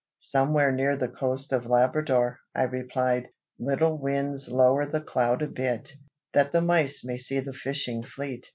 "Somewhere near the coast of Labrador," I replied. "Little Winds, lower the cloud a bit, that the mice may see the fishing fleet.